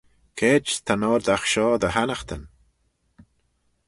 Caid ta'n oardagh shoh dy hannaghtyn?